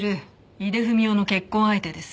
井出文雄の結婚相手です。